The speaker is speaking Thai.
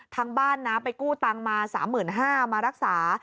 ทางบ้านนะไปกู้ตังค์มา๓๕๐๐บาทมารักษา